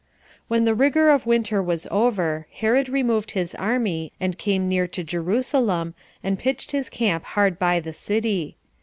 14. When the rigor of winter was over, Herod removed his army, and came near to Jerusalem, and pitched his camp hard by the city.